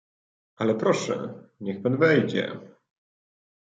"Ale proszę, niech pan wejdzie."